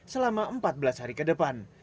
selama empat belas hari ke depan